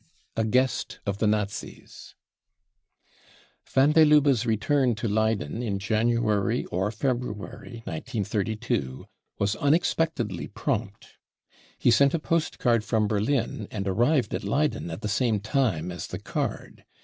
A Guest of the Nazis . V an der Lubbe 5 s returnTo Leyden in January or February 1932 was unexpectedly prompt. He sent a postcard from Berlin, and arrived at Leyden at the same time as the card.